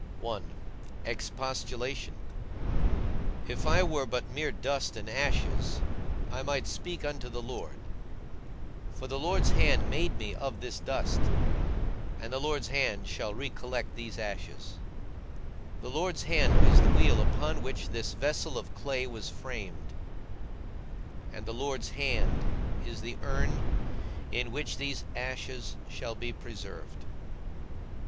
I. EXPOSTULATION. If I were but mere dust and ashes I might speak unto the Lord, for the Lord's hand made me of this dust, and the Lord's hand shall re collect these ashes; the Lord's hand was the wheel upon which this vessel of clay was framed, and the Lord's hand is the urn in which these ashes shall be preserved.